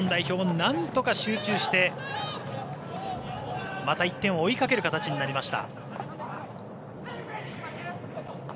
なんとか集中してまた１点を追いかける形になりました。